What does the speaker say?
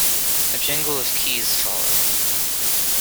A jingle of keys followed.